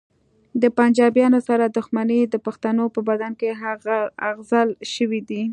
د پنجابیانو سره دښمني د پښتنو په بدن کې اغږل شوې ده